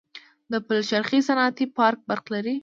د پلچرخي صنعتي پارک برق لري؟